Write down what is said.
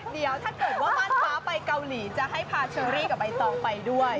เดี๋ยวถ้าเกิดว่าม่านฟ้าไปเกาหลีจะให้พาเชอรี่กับใบตองไปด้วย